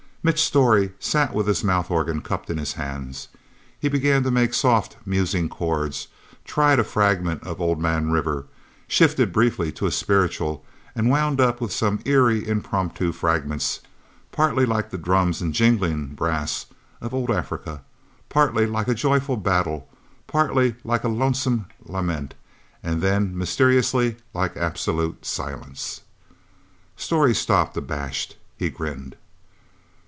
Mitch Storey sat with his mouth organ cupped in his hands. He began to make soft, musing chords, tried a fragment of Old Man River, shifted briefly to a spiritual, and wound up with some eerie, impromptu fragments, partly like the drums and jingling brass of old Africa, partly like a joyful battle, partly like a lonesome lament, and then, mysteriously like absolute silence. Storey stopped, abashed. He grinned.